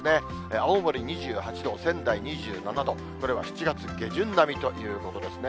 青森２８度、仙台２７度、これは７月下旬並みということですね。